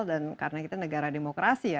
dan karena kita negara demokrasi